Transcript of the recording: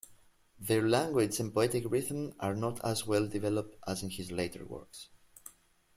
Their language and poetic rhythm are not as well-developed as in his later works.